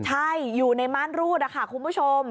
ใช่อยู่ในม่านรูดนะคะคุณผู้ชม